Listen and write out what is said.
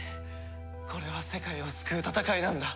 これは世界を救う戦いなんだ。